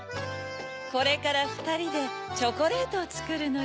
これからふたりでチョコレートをつくるのよ。